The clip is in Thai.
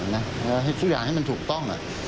แล้วทุกอย่างให้มันถูกต้อง